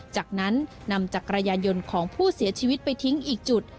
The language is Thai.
จากนั้นนำจักรยานยนต์ของผู้เสียชีวิตไปทิ้งอีกจุด